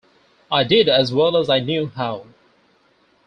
I did as well as I knew how.